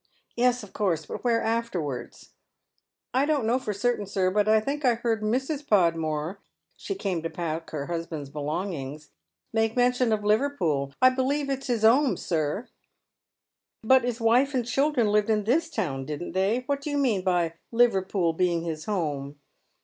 " Yes, of course. But where afterwards ?"" I don't know for certain, sir, but I think I heard Mrs. Pod more — she came to pack her husband's things — make mention of Liverpool. I believe it's his 'ome, sir." " But his wife and children lived in this town, didn't they ? What do you mean by Liverpool being his home